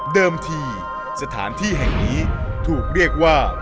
ที่สถานที่แห่งนี้ถูกเรียกว่า